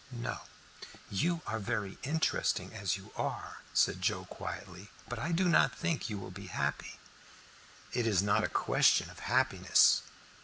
"No, you are very interesting as you are," said Joe quietly. "But I do not think you will be happy." "It is not a question of happiness."